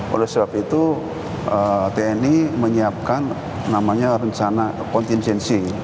oleh sebab itu tni menyiapkan namanya rencana contincing